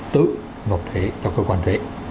tự nộp thuế cho cơ quan thuế